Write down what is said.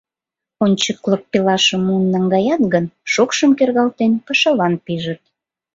Ончыклык пелашым муын наҥгаят гын, шокшым кергалтен, пашалан пижыт.